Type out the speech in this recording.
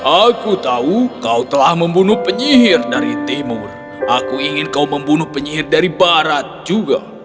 aku tahu kau telah membunuh penyihir dari timur aku ingin kau membunuh penyihir dari barat juga